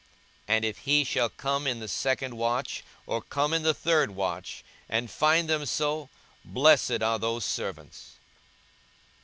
42:012:038 And if he shall come in the second watch, or come in the third watch, and find them so, blessed are those servants.